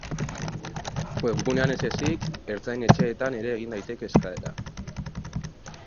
Webgunean ez ezik, ertzain-etxeetan ere egin daiteke eskaera.